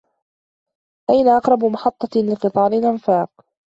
أين أقرب محطة لقطار الأنفاق؟